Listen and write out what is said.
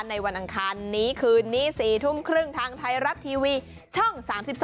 วันอังคารนี้คืนนี้๔ทุ่มครึ่งทางไทยรัฐทีวีช่อง๓๒